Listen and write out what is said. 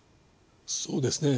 そうですね。